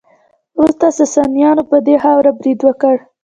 وروسته ساسانیانو په دې خاوره برید وکړ